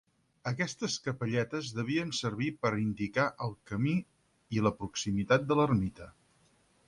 Aquestes capelletes devien servir per indicar el camí i la proximitat de l'ermita.